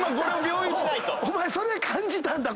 お前それで感じたんだ。